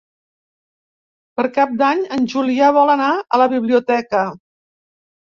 Per Cap d'Any en Julià vol anar a la biblioteca.